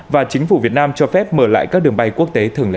và chính phủ việt nam cho phép mở lại các đường bay quốc tế thường lệ